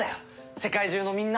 世界中のみんな！